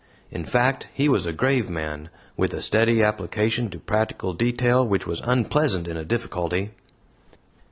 In fact, he was a grave man, with a steady application to practical detail which was unpleasant in a difficulty.